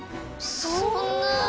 そんなぁ！